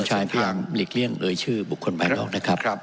ส่วนชายเปลี่ยงหลีกเลี่ยงโดยชื่อบุคคลไม่ร้องนะครับ